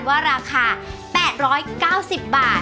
ว่าราคา๘๙๐บาท